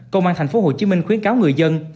công an tp hcm khuyến cáo người dân